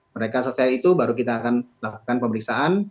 mereka selesai itu baru kita akan lakukan pemeriksaan